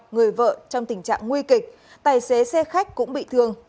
người vợ trong tình trạng nguy kịch tài xế xe khách cũng bị thương